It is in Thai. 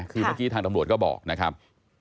คือเมื่อกี้ทางตำรวจก็บอกนะครับ